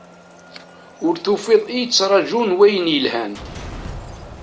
Ur tufiḍ i yettraju n wayen yelhan